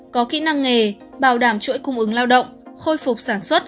có kỹ năng nghề bảo đảm chuỗi cung ứng lao động khôi phục sản xuất